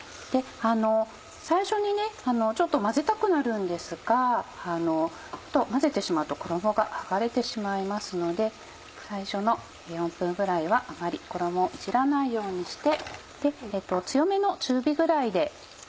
最初にちょっと混ぜたくなるんですが混ぜてしまうと衣が剥がれてしまいますので最初の４分ぐらいはあまり衣をいじらないようにして。